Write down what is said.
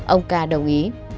ông ca đồng ý